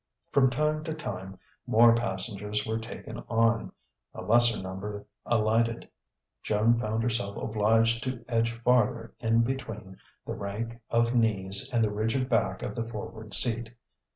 From time to time more passengers were taken on; a lesser number alighted: Joan found herself obliged to edge farther in between the rank of knees and the rigid back of the forward seat.